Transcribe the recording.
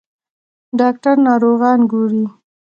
ډاکټر ناروغان ګوري.